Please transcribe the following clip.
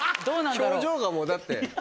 表情がもうだって。